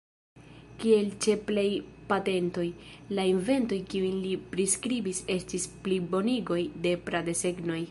Kiel ĉe plej patentoj, la inventoj kiujn li priskribis estis plibonigoj de pra-desegnoj.